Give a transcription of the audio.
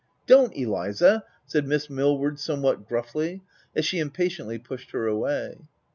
u Don't Eliza I" said Miss Millward, some what gruffly as she impatiently pushed her away.